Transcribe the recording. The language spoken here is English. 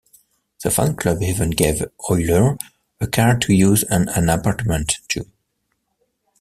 The fan club even gave Oyler a car to use and an apartment too.